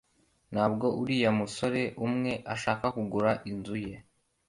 ntabwo uriya musore umwe ushaka kugura inzu yawe